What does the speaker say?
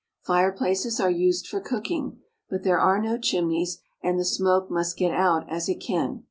Fireplaces are used for cooking, but there are no chimneys, and the smoke must get out as it can.